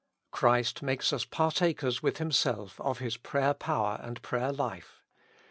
Christ makes us partakers with Himself of His prayer power and prayer life.